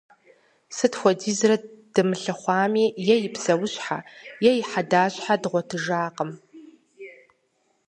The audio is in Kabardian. Сыт хуэдизрэ дымылъыхъуами, е и псэущхьэ е и хьэдащхьэ дгъуэтыжакъым.